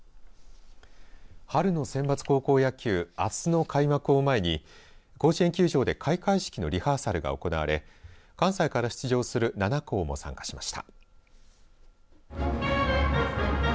春のセンバツ高校野球あすの開幕を前に甲子園球場で開会式のリハーサルが行われ関西から出場する７校も参加しました。